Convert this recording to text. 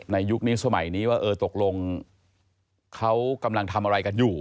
ยุคนี้สมัยนี้ว่าเออตกลงเขากำลังทำอะไรกันอยู่